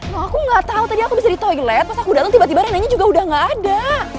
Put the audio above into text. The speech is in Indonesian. loh aku gak tau tadi aku bisa di toilet pas aku datang tiba tiba renanya juga udah gak ada